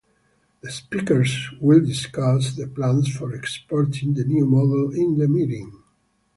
The speakers will discuss the plans for exporting the new model in the meeting.